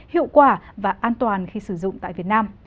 hiệu quả và an toàn khi sử dụng tại việt nam